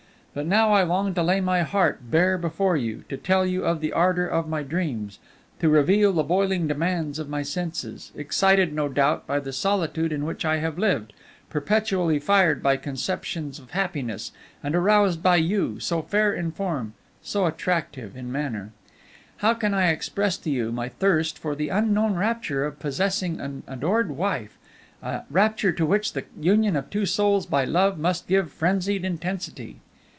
But now I long to lay my heart bare before you, to tell you of the ardor of my dreams, to reveal the boiling demands of my senses, excited, no doubt, by the solitude in which I have lived, perpetually fired by conceptions of happiness, and aroused by you, so fair in form, so attractive in manner. How can I express to you my thirst for the unknown rapture of possessing an adored wife, a rapture to which the union of two souls by love must give frenzied intensity.